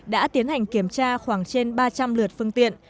đã tiến hành kiểm tra khoảng trên ba trăm linh lượt phương tiện